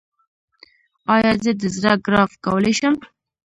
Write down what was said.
ایا زه د زړه ګراف کولی شم؟